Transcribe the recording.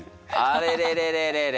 あれれれれれれ。